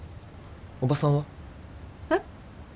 おばさんは？えっ？